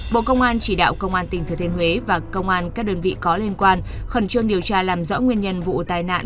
bộ công an chỉ đạo công an tỉnh thừa thiên huế và công an các đơn vị có liên quan khẩn trương điều tra làm rõ nguyên nhân vụ tai nạn